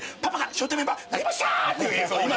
『笑点』メンバーなりましたっていう映像。